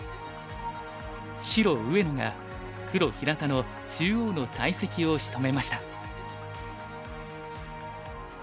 白上野が黒平田の中央の大石をしとめました。